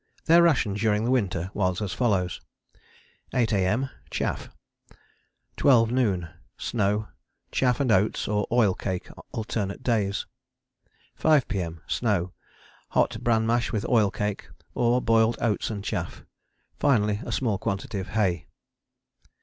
Their ration during the winter was as follows: 8 A.M. Chaff. 12 NOON. Snow. Chaff and oats or oil cake alternate days. 5 P.M. Snow. Hot bran mash with oil cake, or boiled oats and chaff; finally a small quantity of hay.